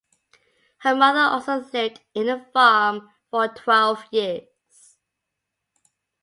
Her mother also lived in the farm for twelve years.